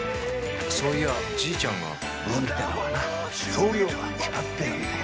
そういやじいちゃんが運ってのはな量が決まってるんだよ。